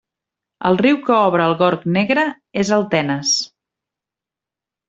El riu que obre el Gorg Negre és el Tenes.